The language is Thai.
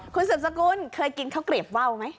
คุณสืบสกุลเคยกินข้าวเกลียบว่าวไหม